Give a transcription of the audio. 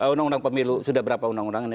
undang undang pemilu sudah berapa undang undang ini